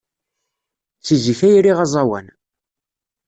Seg zik ay riɣ aẓawan.